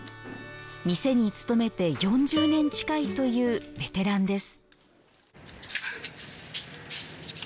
店に勤めて４０年近いというベテランです。